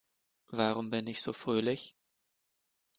Warum bin ich so fröhlich?